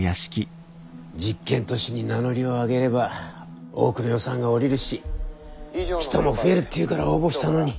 実験都市に名乗りを上げれば多くの予算がおりるし人も増えるっていうから応募したのに。